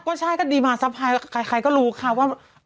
ก็ใช่ก็ดีมาซัพพายใครก็รู้ค่ะว่า